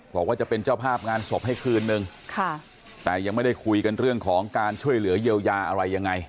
บอกว่าจะเป็นเจ้าภาพงานศพให้คืนนึงค่ะแต่ยังไม่ได้คุยกันเรื่องของการช่วยเหลือเยียวยาอะไรยังไง